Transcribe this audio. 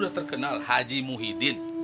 udah terkenal haji muhyiddin